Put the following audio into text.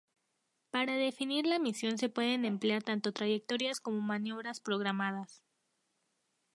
Para definir la misión se pueden emplear tanto trayectorias como maniobras programadas.